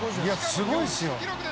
「すごいですよ」